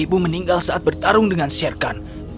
ibu meninggal saat bertarung dengan sherkan